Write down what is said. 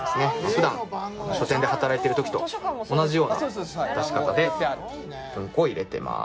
普段書店で働いてる時と同じような出し方で文庫を入れてます。